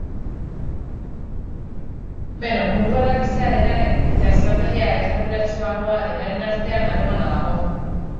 Beno, munduan albistea denaren eta estrategia esanguratsuagoa denaren artean harremana dago.